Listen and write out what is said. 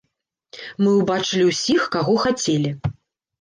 Мы ўбачылі ўсіх, каго хацелі.